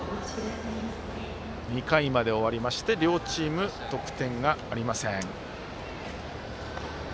２回まで終わりまして両チーム得点がありません。